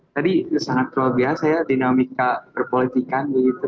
tadi sangat luar biasa ya dinamika perpolitikan begitu